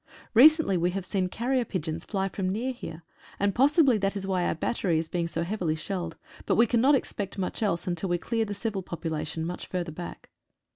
Recently we have seen carrier pigeons fly from near here, and possibly that is why our battery is being so heavily shelled, but we cannot expect much else until we clear the civil population much fur ther back.